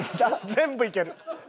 全部いける！